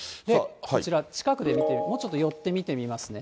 こちら、近くで見て、もうちょっと寄って見てみますね。